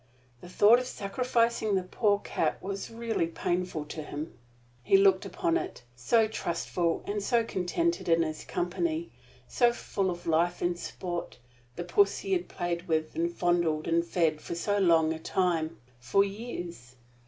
The thought of sacrificing the poor cat was really painful to him. He looked upon it so trustful and so contented in his company, so full of life and sport, the puss he had played with and fondled and fed for so long a time for years.